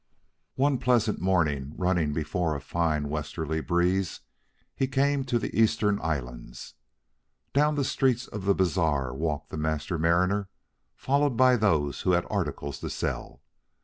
One pleasant morning, running before a fine westerly breeze, he came to the Eastern Islands. Down the street of the bazaar walked the Master Mariner, followed by those who had articles to sell.